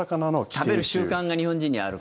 食べる習慣が日本人にはある。